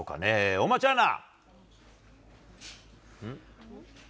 大町アナ。